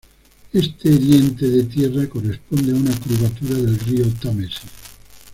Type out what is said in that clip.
Este diente de tierra corresponde a una curvatura del río Támesis.